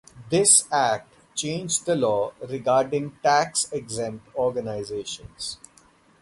This act changed the law regarding tax exempt organizations.